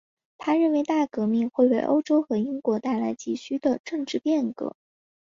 他认为大革命会为欧洲和英国带来急需的政治变革。